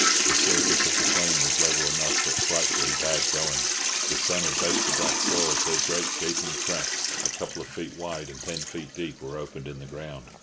The surface of the plain was level enough, but frightfully bad going; the sun had baked the black soil till great gaping cracks, a couple of feet wide and ten feet deep, were opened in the ground.